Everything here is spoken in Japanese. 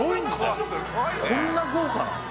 こんな豪華なの？